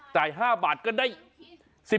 จ่าย๕บาทก็ได้